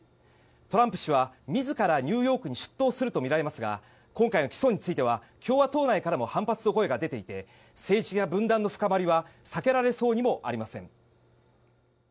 トランプ氏は自らニューヨークに出頭するとみられますが今回の起訴については共和党内からも反発の声が出ていて政治の分断の深まりは避けられそうにもありません。